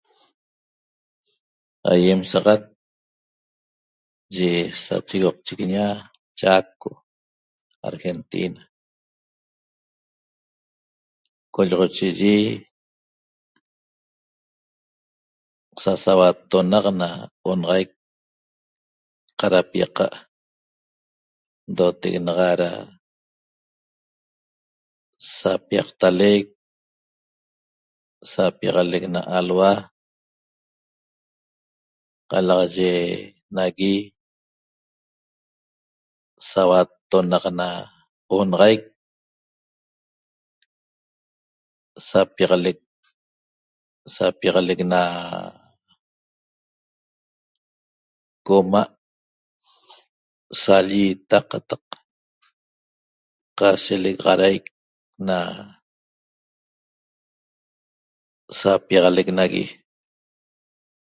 Aýem sa'axat yi sachigochiguiña Chaco Argentina co'olloxochiyi sasauattonaq na onaxaic qadapiaqa' ndotec naxa da sapiaqtalec sapiaxalec na alhua qalaxaye nagui sauattonaq na onaxaic sapiaxalec sapiaxalec na coma' salliita qataq qashelegaxadaic na sapiaxalec nagui